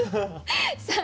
さあ